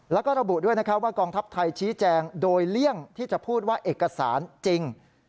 แล้วก็ระบุด้วยนะครับว่ากองทัพไทยชี้แจงโดยเลี่ยงที่จะพูดว่าเอกสารจริง